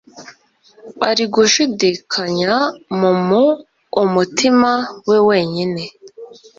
Ari Gushidikanya mumu umutima we wenyine